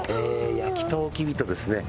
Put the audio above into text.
焼きとうきびとですね